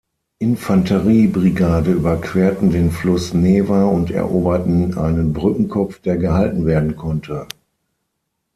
Infanterie-Brigade überquerten den Fluss Newa und eroberten einen Brückenkopf, der gehalten werden konnte.